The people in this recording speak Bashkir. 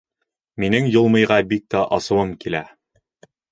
Минең Юлмыйға бик тә асыуым килә.